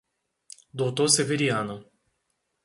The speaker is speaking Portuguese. Doutor Severiano